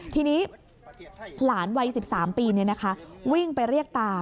ทีนี้หลานวัย๑๓ปีวิ่งไปเรียกตา